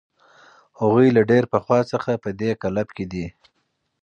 هغوی له ډېر پخوا څخه په دې کلب کې دي.